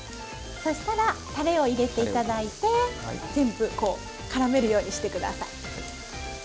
そしたらたれを入れて頂いて全部こうからめるようにして下さい。